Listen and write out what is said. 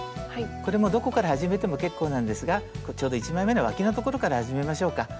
これもどこから始めても結構なんですがちょうど１枚めのわきの所から始めましょうか。